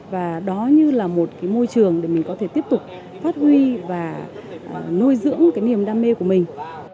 và đó như là một cái môi trường để mình có thể tiếp tục phát huy và nuôi dưỡng cái niềm đam mê của mình